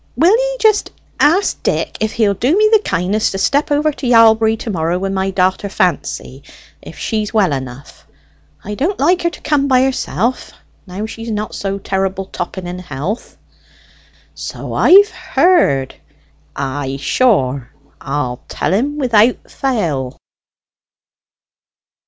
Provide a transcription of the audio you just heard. Will ye just ask Dick if he'll do me the kindness to step over to Yalbury to morrow with my da'ter Fancy, if she's well enough? I don't like her to come by herself, now she's not so terrible topping in health." "So I've heard. Ay, sure, I'll tell him without fail."